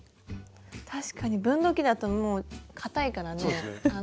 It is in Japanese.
確かに分度器だともうかたいからねしならない。